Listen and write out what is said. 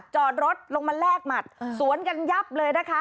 จอดรถลงมาแลกหมัดสวนกันยับเลยนะคะ